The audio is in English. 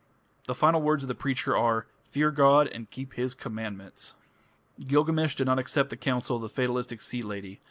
The final words of the Preacher are, "Fear God and keep his commandments". Gilgamesh did not accept the counsel of the fatalistic sea lady.